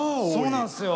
そうなんですよ。